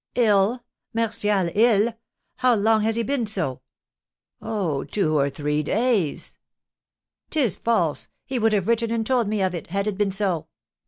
"Ill! Martial ill? And how long has he been so?" "Oh, two or three days." "'Tis false! He would have written and told me of it, had it been so."